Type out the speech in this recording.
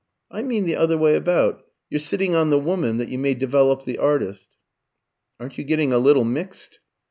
I mean the other way about; you're sitting on the woman that you may develop the artist." "Aren't you getting a little mixed?"